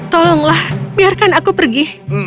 tolonglah biarkan aku pergi